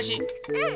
うん！